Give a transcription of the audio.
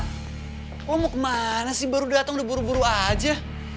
lo mau kemana sih baru dateng udah buru buru aja